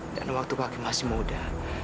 dan waktu kakek masih muda